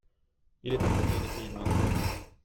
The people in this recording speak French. Il est parti dans des pays lointains.